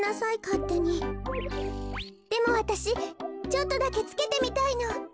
でもわたしちょっとだけつけてみたいの。